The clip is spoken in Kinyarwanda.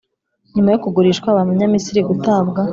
nyuma yo kugurishwa abanyamisiri, gutabwa